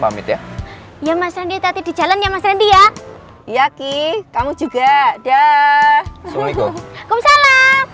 selamat ya ya mas rendy tadi di jalan ya mas rendy ya ya ki kamu juga dah assalamualaikum